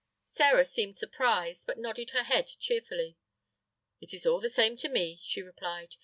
Sĕra seemed surprised, but nodded her head cheerfully. "It is all the same to me," she replied.